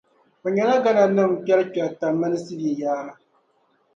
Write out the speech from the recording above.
O nyɛla Ghana nima kpɛrikpɛrita mini sinii yaara.